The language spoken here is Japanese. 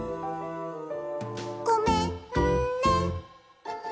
「ごめんね」